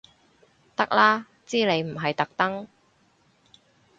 得啦知你唔係特登